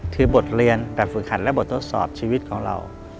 คือบทเรียนแบบฝึกขันและบททดสอบชีวิตของเรา